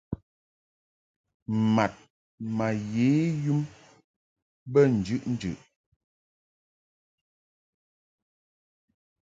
Mad ma ye yum be njɨʼnjɨʼ.